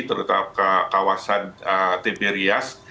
terutama ke kawasan tiberias